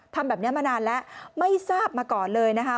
ทำแบบนี้มานานแล้วไม่ทราบมาก่อนเลยนะคะ